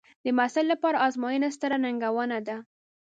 د محصل لپاره ازموینه ستره ننګونه ده.